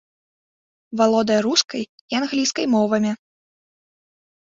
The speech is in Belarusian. Валодае рускай і англійскай мовамі.